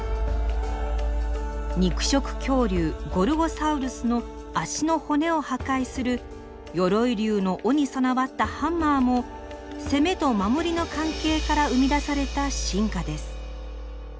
肉食恐竜ゴルゴサウルスの脚の骨を破壊する鎧竜の尾に備わったハンマーも攻めと守りの関係から生み出された進化です。